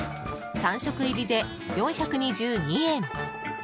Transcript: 食入りで４２２円。